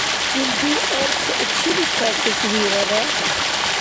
Илди арц чили касес вирара?